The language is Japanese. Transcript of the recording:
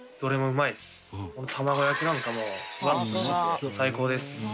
卵焼きなんかもフワッとしてて最高です。